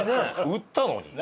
打ったのに。